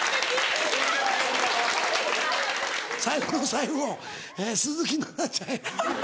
最後の最後鈴木奈々ちゃんや。